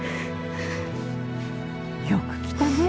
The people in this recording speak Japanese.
よく来たね。